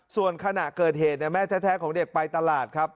ส่วนขณะเกิดเหตุแม่แท้ของเด็กไปตลาดครับ